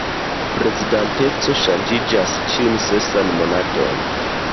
Prezidanteco ŝanĝiĝas ĉiun sesan monaton.